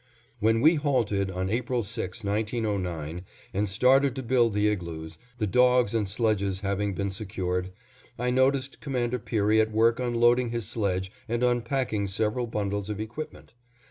When we halted on April 6, 1909, and started to build the igloos, the dogs and sledges having been secured, I noticed Commander Peary at work unloading his sledge and unpacking several bundles of equipment.